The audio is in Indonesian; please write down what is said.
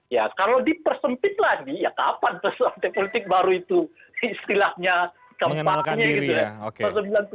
ya kalau dipersempit lagi ya kapan peserta politik baru itu istilahnya tempatnya gitu ya